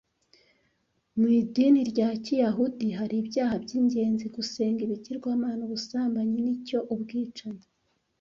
Mu idini rya Kiyahudi hari ibyaha by'ingenzi Gusenga Ibigirwamana, Ubusambanyi n'icyo Ubwicanyi